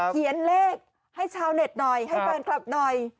เขียนเลขให้ชาวเน็ตหน่อยให้แฟนคลับหน่อย